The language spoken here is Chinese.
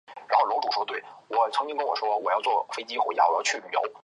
圣尼古拉奥斯是希腊克里特大区拉西锡州首府。